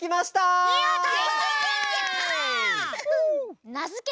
やった！